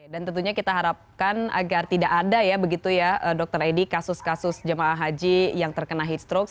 dan tentunya kita harapkan agar tidak ada ya begitu ya dokter edi kasus kasus jemaah haji yang terkena heat stroke